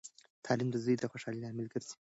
تعلیم د زوی د خوشحالۍ لامل ګرځي.